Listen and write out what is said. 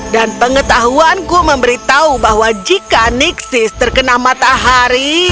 dan pengetahuanku memberitahu bahwa jika nixis terkena matahari